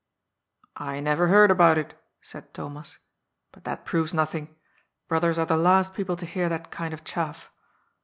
"I never heard about it," said Thomas. "But that proves nothing. Brothers are the last people to hear that kind of chaff."